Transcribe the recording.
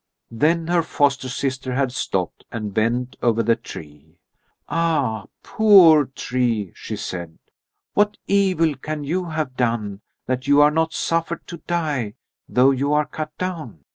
Then her foster sister had stopped and bent over the tree. "Ah, poor tree," she said, "what evil can you have done, that you are not suffered to die, though you are cut down?